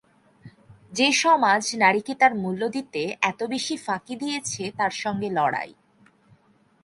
যে সমাজ নারীকে তার মূল্য দিতে এত বেশি ফাঁকি দিয়েছে তার সঙ্গে লড়াই।